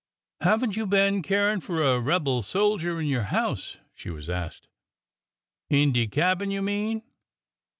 Have n't you been caring for a rebel soldier in your house ?" she was asked. In de cabin, you mean